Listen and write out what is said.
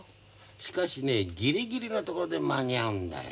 しかしねギリギリのところで間に合うんだよ。